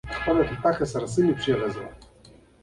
عکسونه مې بادل ته پورته کړل.